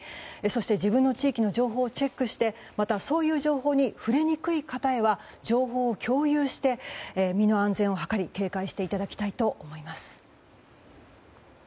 そして自分の地域の情報をチェックしてまた、そういう情報に触れにくい方へは情報を共有して身の安全を図り警戒していただきたいと思います。